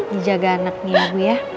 dijaga anaknya bu ya